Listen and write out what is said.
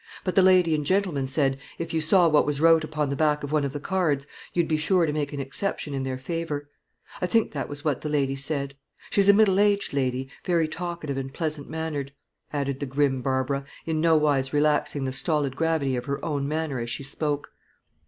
But the lady and gentleman said, if you saw what was wrote upon the back of one of the cards, you'd be sure to make an exception in their favour. I think that was what the lady said. She's a middle aged lady, very talkative and pleasant mannered," added the grim Barbara, in nowise relaxing the stolid gravity of her own manner as she spoke.